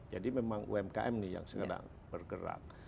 jadi memang umkm nih yang sedang bergerak